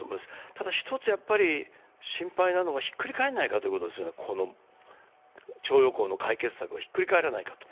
ただ一つ心配なのは、ひっくり返らないかということですね、徴用工の解決がひっくり返らないかと。